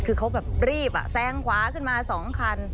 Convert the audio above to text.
คือเขาแบบรีบแซงขวาขึ้นมา๒คัน